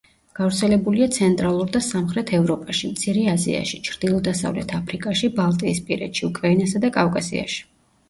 გავრცელებულია ცენტრალურ და სამხრეთ ევროპაში, მცირე აზიაში, ჩრდილო-დასავლეთ აფრიკაში, ბალტიისპირეთში, უკრაინასა და კავკასიაში.